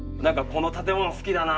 「この建物好きだな」？